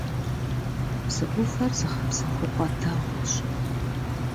Псы Ӏуфэхэр зыгъэпсэхупӀэ дэгъуэщ.